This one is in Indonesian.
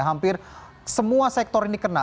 hampir semua sektor ini kena